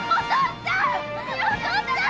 お父っつぁん！